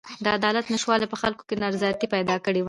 د عدالت نشتوالي په خلکو کې نارضایتي پیدا کړې وه.